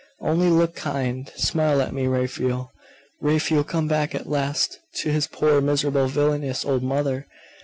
Only look kind! Smile at me, Raphael! Raphael come back at last to his poor, miserable, villainous old mother!